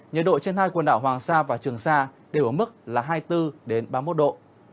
nhiệt độ trên hai quần đảo hoàng sa và trường sa đều ở mức là hai mươi bốn ba mươi một độ